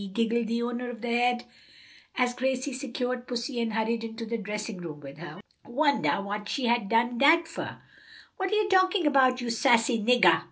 giggled the owner of the head, as Gracie secured pussy and hurried into the dressing room with her, "wondah what she done dat fer!" "What you talkin' 'bout, you sassy niggah?"